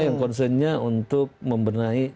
yang concern nya untuk membenahi